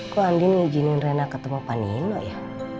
kok andi ngijinin reina ketemu pak nino ya